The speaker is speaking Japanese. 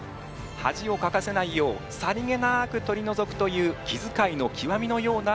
恥をかかせないようさりげなく取りのぞくという気づかいの極みのようなこの競技。